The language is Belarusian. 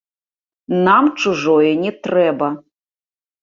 Нам чужое не трэба!